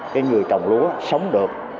cái người trồng lúa sống được